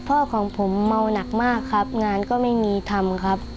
พ่อของผมเมาหนักมากครับงานก็ไม่มีทำครับ